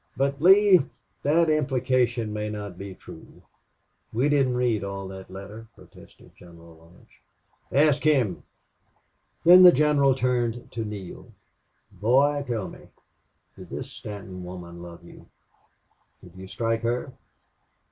"But, Lee that implication may not be true. We didn't read all that letter," protested General Lodge. "Ask him." Then the general turned to Neale. "Boy tell me did this Stanton woman love you did you strike her?